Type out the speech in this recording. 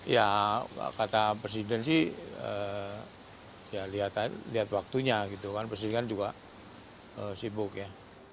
ya kata presiden sih ya lihat waktunya gitu kan presiden juga sibuk ya